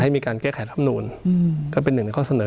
มีการแก้ไขรับนูลก็เป็นหนึ่งในข้อเสนอ